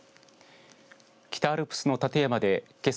北アルプスの立山でけさ